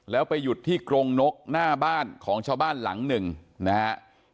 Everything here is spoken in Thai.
แล้วไปหยุดที่กรงนกหน้าบ้านของชาวบ้านหลังหนึ่งนะฮะ